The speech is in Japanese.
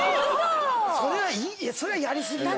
それはやりすぎよ。